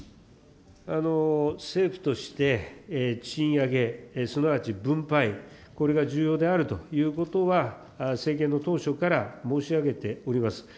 政府として、賃上げ、すなわち分配、これが重要であるということは、政権の当初から申し上げております。